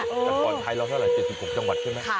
แต่ก่อนไทยเราเท่าไห๗๖จังหวัดใช่ไหม